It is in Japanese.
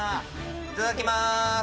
いただきます。